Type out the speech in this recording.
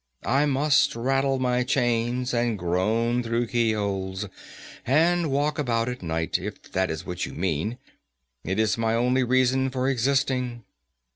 I must rattle my chains, and groan through keyholes, and walk about at night, if that is what you mean. It is my only reason for existing."